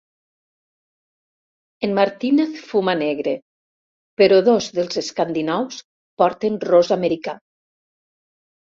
En Martínez fuma negre, però dos dels escandinaus porten ros americà.